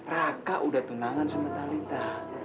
raka udah tunangan sama talinta